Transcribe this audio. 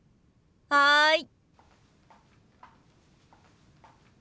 はい。